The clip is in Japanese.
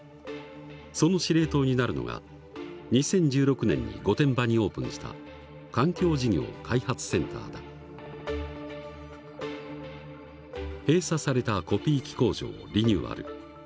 その司令塔になるのが２０１６年に御殿場にオープンした閉鎖されたコピー機工場をリニューアル。